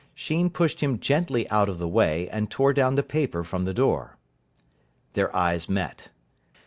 Sheen pushed him gently out of the way, and tore down the paper from the door. Their eyes met.